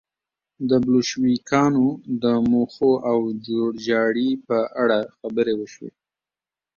د بلشویکانو د موخو او جوړجاړي په اړه خبرې وشوې